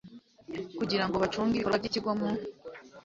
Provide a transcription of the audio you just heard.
kugira ngo bacunge ibikorwa by ikigo Mu